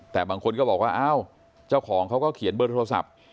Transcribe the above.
แต่บางคนก็บอกว่าอ้าวเจ้าของเขาก็เขียนเบอร์โทรศัพท์